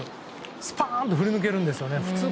スパンと振り抜けるんですね。